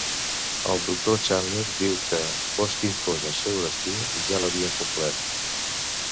El Dr. Chandler diu que "fos quin fos el seu destí, ja l'havien complert".